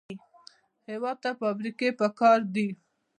هېواد ته فابریکې پکار دي